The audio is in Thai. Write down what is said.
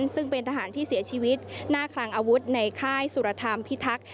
ซึ่งเป็นทหารที่เสียชีวิตหน้าคลังอาวุธในค่ายสุรธรรมพิทักษ์